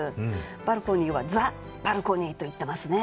バルコニーはザ・バルコニーと言ってますね。